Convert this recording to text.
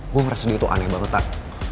gue ngerasa dia tuh aneh banget tan